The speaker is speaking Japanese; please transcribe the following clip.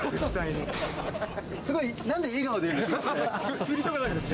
すごい、なんで笑顔で言うんですか？